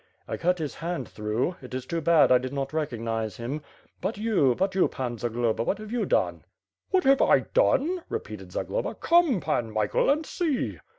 "I cut his hand throug'h. It is too bad I did not recognize him. But you, but you. Pan Zagloba, what have you done?" "What have I done," repeated Zagloba, "Come, Pan Michael and see!